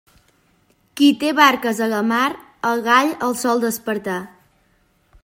Qui té barques a la mar, el gall el sol despertar.